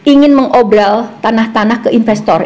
ingin mengobrol tanah tanah ke investor